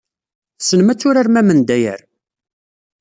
Tessnem ad turarem amendayer?